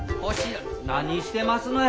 何してますのや。